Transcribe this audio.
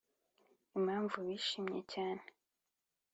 impamvu bishimye cyane.